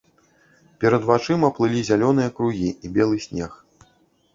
Перад вачыма плылі зялёныя кругі і белы снег.